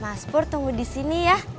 mas pur tunggu di sini ya